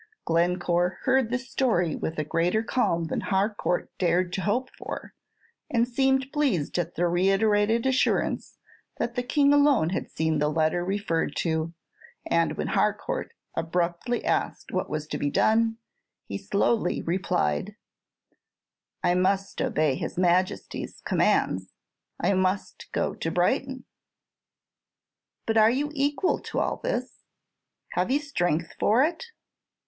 Glencore heard the story with a greater calm than Harcourt dared to hope for; and seemed pleased at the reiterated assurance that the King alone had seen the letter referred to; and when Harcourt abruptly asked what was to be done, he slowly replied, "I must obey his Majesty's commands. I must go to Brighton." "But are you equal to all this? Have you strength for it?"